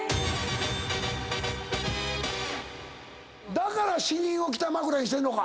だから死人を北枕にしてるのか？